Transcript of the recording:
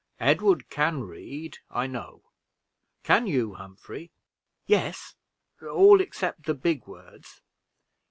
Edward can read, I know; can you, Humphrey?" "Yes, all except the big words."